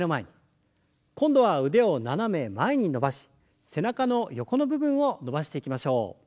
今度は腕を斜め前に伸ばし背中の横の部分を伸ばしていきましょう。